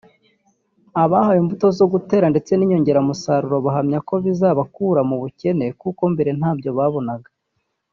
Abahawe imbuto zo gutera ndetse n’inyongeramusaruro bahamya ko bizabakura mu bukene kuko mbere ntabyo babonaga